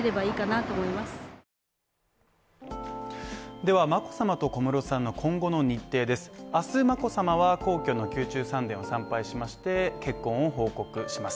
では眞子さまと小室さんの今後の日程です明日、眞子さまは皇居の宮中三殿を参拝しまして、結婚を報告します。